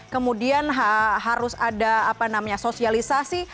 kemudian harus ada apa namanya sosialisasi